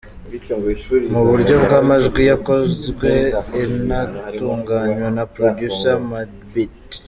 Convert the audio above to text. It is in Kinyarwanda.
Mu buryo bw’amajwi yakozwe inatunganywa na Producer Madebeat.